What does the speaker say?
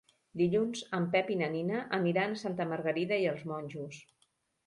Dilluns en Pep i na Nina aniran a Santa Margarida i els Monjos.